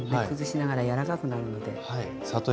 崩しながら柔らかくなるので。